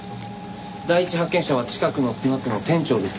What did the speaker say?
第一発見者は近くのスナックの店長です。